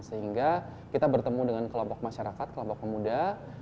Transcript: sehingga kita bertemu dengan kelompok masyarakat kelompok pemuda